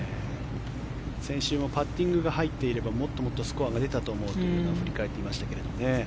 先週もパッティングが入っていればもっともっとスコアが出たと思うと振り返っていましたけどね。